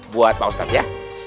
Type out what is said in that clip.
buat pak ustadz ya